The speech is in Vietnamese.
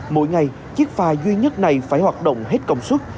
mỗi ngày chiếc phà duy nhất này phải hoạt động hết công suất